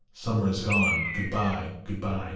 Summer is gone. Good by ! good by